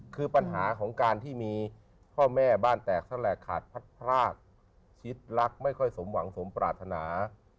คือปัญหาของการที่มีพ่อแม่บ้านแตกแสลกขาดพัดพรากชิดรักไม่ค่อยสมหวังสมปรารถนา